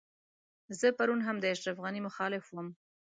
زه پرون هم د اشرف غني مخالف وم.